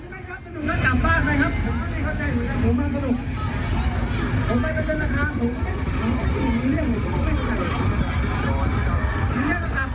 เบี้ยงกลับบ้านหมดเอ้ยเบี้ยงกลับบ้านให้หมด